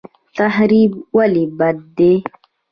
تخریب ولې بد دی؟